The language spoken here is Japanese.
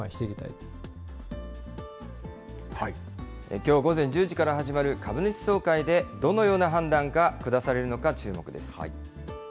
きょう午前１０時から始まる株主総会で、どのような判断が下されるのか注目です。